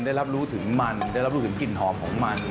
ได้รับรู้ถึงมันได้รับรู้ถึงกลิ่นหอมของมัน